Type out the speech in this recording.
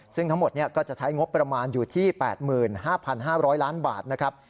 ซึ่งทั้งหมดก็จะใช้งบประมาณอยู่ที่๘๕๕๐๐ล้านบาทนะครับ